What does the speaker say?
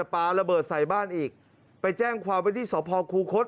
ปลาระเบิดใส่บ้านอีกไปแจ้งความไว้ที่สพคูคศ